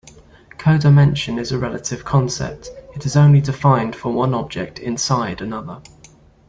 Codimension is a "relative" concept: it is only defined for one object "inside" another.